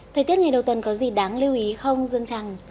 thời tiết ngày đầu tuần có gì đáng lưu ý không dương trăng